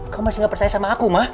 kamu masih gak percaya sama aku mah